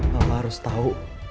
papa harus tau